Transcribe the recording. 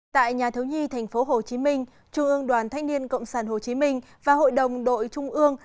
tại nhà thiếu nhi tp hcm trung ương đoàn thanh niên cộng sản hồ chí minh và hội đồng đội trung ương